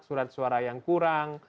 surat suara yang kurang